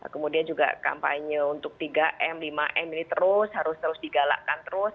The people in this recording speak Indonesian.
kemudian juga kampanye untuk tiga m lima m ini terus harus terus digalakkan terus